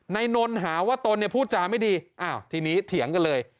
นายนนท์หาว่าตนพูดจาไม่ดีทีนี้เถียงกันเลย